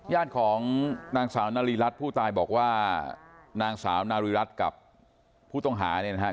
ย่านของนางสาวนารีรัฐผู้ตายบอกว่านางสาวนารีรัฐกับผู้ต้องหานี่นะฮะ